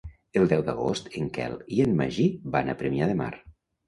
El deu d'agost en Quel i en Magí van a Premià de Mar.